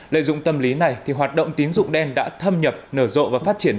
lợi dụng tâm lý này thì hoạt động tín dụng đen đã thâm nhập nở rộ và phát triển